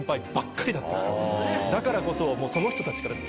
だからこそ。